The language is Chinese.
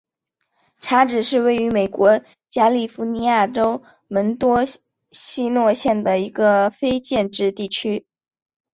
叉子是位于美国加利福尼亚州门多西诺县的一个非建制地区。